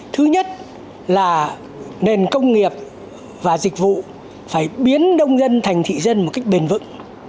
thứ nhất là nền công nghiệp và dịch vụ phải biến nông dân thành thị dân một cách bền vững